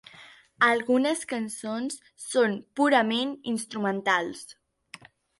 Algunes cançons són purament instrumentals.